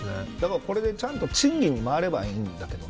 これで、ちゃんと賃金に回ればいいんだけどね。